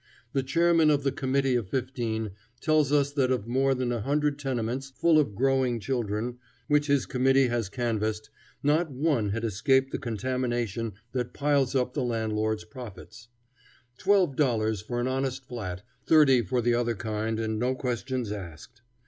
The chairman of the Committee of Fifteen tells us that of more than a hundred tenements, full of growing children, which his committee has canvassed, not one had escaped the contamination that piles up the landlord's profits. Twelve dollars for an honest flat, thirty for the other kind and no questions asked!